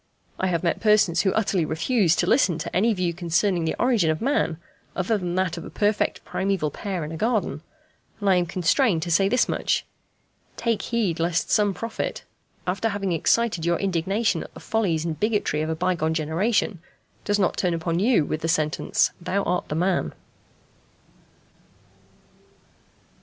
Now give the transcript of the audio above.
I have met persons who utterly refuse to listen to any view concerning the origin of man other than that of a perfect primæval pair in a garden, and I am constrained to say this much: Take heed lest some prophet, after having excited your indignation at the follies and bigotry of a bygone generation, does not turn upon you with the sentence, "Thou art the man."